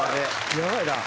やばいな。